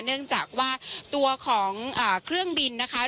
เนื่องจากว่าตัวของเครื่องบินนะคะ